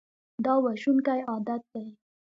دا وژونکی عادت دی.